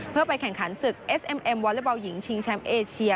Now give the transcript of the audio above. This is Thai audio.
เพื่อไปแข่งขันศึกเอสเอ็มเอ็มวอเล็กบอลหญิงชิงแชมป์เอเชีย